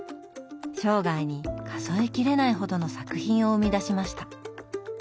生涯に数えきれないほどの作品を生み出しました。